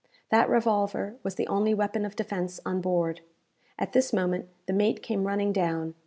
That revolver was the only weapon of defence on board. At this moment the mate came running down.